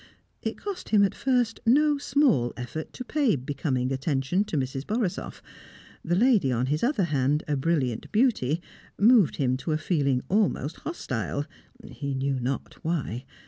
It cost him, at first, no small effort to pay becoming attention to Mrs. Borisoff; the lady on his other hand, a brilliant beauty, moved him to a feeling almost hostile he knew not why.